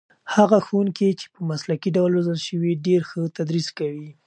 هغه ښوونکي چې په مسلکي ډول روزل شوي ډېر ښه تدریس کوي.